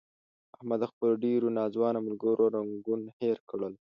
احمد د خپلو ډېرو ناځوانه ملګرو رنګون هیر کړل.